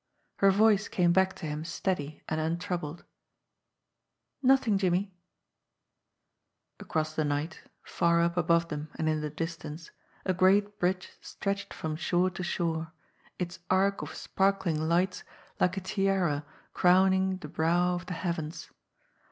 Her voice came back to him steady and untroubled : "Nothing, Jimmie." Across the night, far up above them and in the distance, a great bridge stretched from shore to shore, its arc of sparkling lights like a tiara crowning the brow of the heavens.